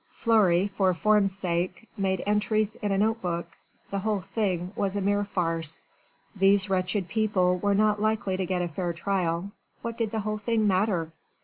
Fleury for form's sake made entries in a notebook the whole thing was a mere farce these wretched people were not likely to get a fair trial what did the whole thing matter?